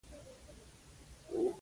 زموږ کور ډېر ښایسته دی.